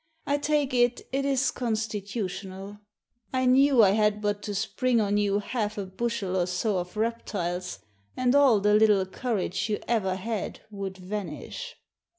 I take it, it is constitutional. I knew I had but to spring on you half a bushel or so of reptiles, and all the little courage you ever had would vanish.